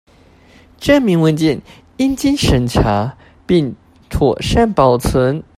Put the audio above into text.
證明文件應經審查並妥善保存